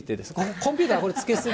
コンピューター、これ、つけすぎ。